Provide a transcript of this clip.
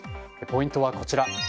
ポイントはこちら。